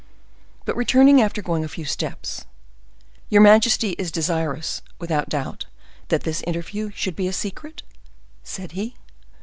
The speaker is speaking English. But returning after going a few steps, "Your majesty is desirous, without doubt, that this interview should be a secret?" said he.